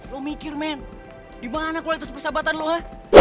lu mikir men dimana kualitas persahabatan lu ha